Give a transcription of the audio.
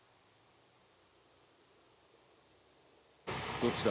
「どっちだ？」